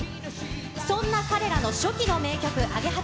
そんな彼らの初期の名曲、アゲハ蝶。